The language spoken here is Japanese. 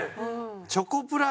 チョコプラ